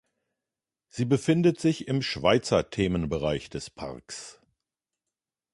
Sie befindet sich im Schweizer Themenbereich des Parks.